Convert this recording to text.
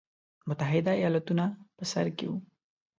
متحده ایالتونه په سر کې وو.